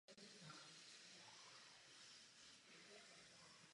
Ve studiu pokračoval v Berlíně na státní akademii pro církve a škole múzických umění.